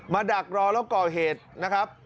ดักรอแล้วก่อเหตุนะครับ